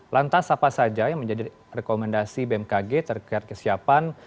lantas apa saja yang menjadi rekomendasi bmkg terkait kesiapan